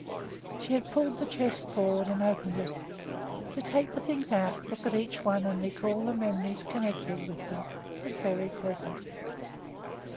She had pulled the chest forward and opened it. To take the things out, look at each one, and recall the memories connected with them was very pleasant.